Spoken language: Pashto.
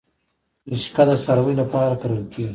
رشقه د څارویو لپاره کرل کیږي